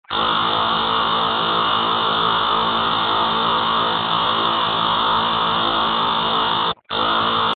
زه له خپلي کورنۍ سره په انځوریزه بڼه غږیږم.